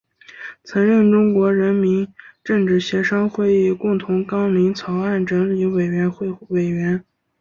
曾任中国人民政治协商会议共同纲领草案整理委员会委员。